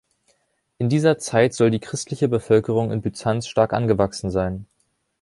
In dieser Zeit soll die christliche Bevölkerung in Byzanz stark angewachsen sein.